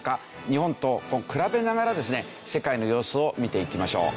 日本と比べながらですね世界の様子を見ていきましょう。